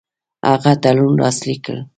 هغه تړون لاسلیک کړ.